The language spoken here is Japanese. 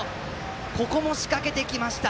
ここも仕掛けてきました。